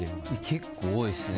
結構多いですね。